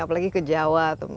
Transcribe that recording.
apalagi ke jawa